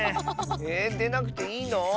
えっでなくていいの？